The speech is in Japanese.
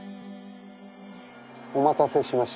お待たせしました。